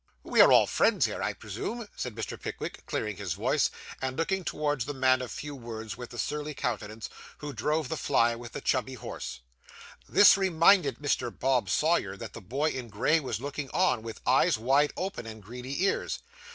'We are all friends here, I presume?' said Mr. Pickwick, clearing his voice, and looking towards the man of few words with the surly countenance, who drove the fly with the chubby horse. This reminded Mr. Bob Sawyer that the boy in gray was looking on, with eyes wide open, and greedy ears.